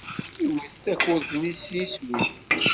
Iwet takurt-nni s iswi.